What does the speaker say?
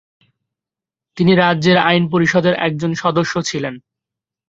তিনি রাজ্যের আইন পরিষদের একজন সদস্য ছিলেন।